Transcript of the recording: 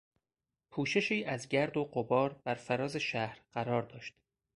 پوششی از گرد و غبار بر فراز شهر قرار داشت.